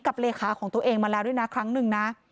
เลขาของตัวเองมาแล้วด้วยนะครั้งหนึ่งนะ